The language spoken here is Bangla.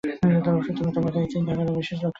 সুতরাং তোমরা কি চিন্তা কর, সে বিষয়ে বিশেষ লক্ষ্য রেখো।